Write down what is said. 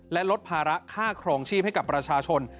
และลดภาระค่าครองชีพให้กับประชาชน